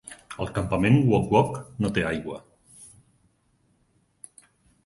El campament Wog Wog no té aigua.